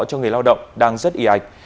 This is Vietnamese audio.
cho người lao động đang rất y ạch